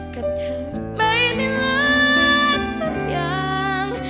กับเธอไม่เหลือสักอย่าง